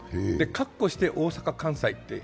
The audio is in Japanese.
かっこして大阪・関西って。